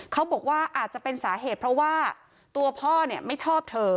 เขาบอกว่าอาจจะเป็นสาเหตุเพราะว่าตัวพ่อไม่ชอบเธอ